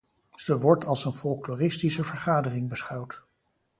Ze wordt als een folkloristische vergadering beschouwd.